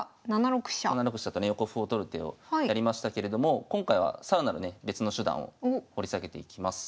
７六飛車とね横歩を取る手をやりましたけれども今回は更なるね別の手段を掘り下げていきます。